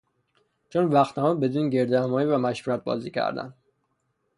چون وقت نبود بدون گردهمایی و مشورت بازی کردند.